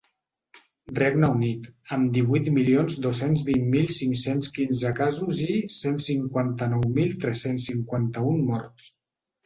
Regne Unit, amb divuit milions dos-cents vint mil cinc-cents quinze casos i cent cinquanta-nou mil tres-cents cinquanta-un morts.